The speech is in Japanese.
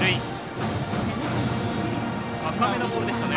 高めのボールでしたね。